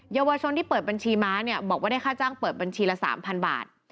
เยาวชนที่เปิดบัญชีม้าเนี่ยบอกว่าได้ค่าจ้างเปิดบัญชีละ๓๐๐บาท